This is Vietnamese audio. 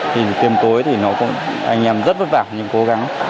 thì tiêm tối thì nó cũng anh em rất vất vả những cố gắng